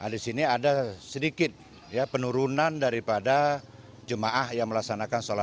di sini ada sedikit penurunan daripada jemaah yang melaksanakan sholat